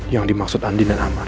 yang dimaksud andi dan aman